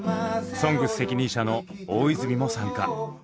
「ＳＯＮＧＳ」責任者の大泉も参加。